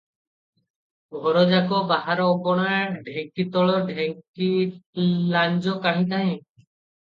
ଘର ଯାକ, ବାହାର ଅଗଣା, ଢେଙ୍କିତଳ ଢେଙ୍କି ଲାଞ୍ଜ କାହିଁ ନାହିଁ ।